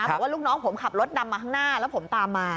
บอกว่าลูกน้องผมขับรถดำมาข้างหน้าแล้วผมตามมา